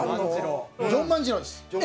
ジョン万次郎です。